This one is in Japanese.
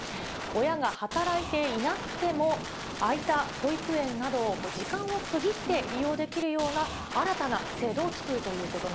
親が働いていなくても、空いた保育園などを時間を区切って利用できるような、新たな制度